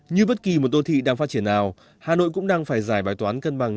như bất kỳ một đô thị đang phát triển nào hà nội cũng đang phải giải bài toán cân bằng